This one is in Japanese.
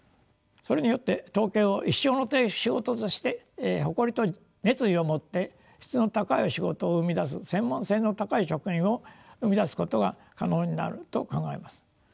それによって統計を一生の仕事として誇りと熱意を持って質の高い仕事を生み出す専門性の高い職員を生み出すことが可能になると考えます。